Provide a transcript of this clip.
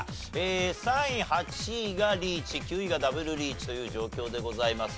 ３位８位がリーチ９位がダブルリーチという状況でございます。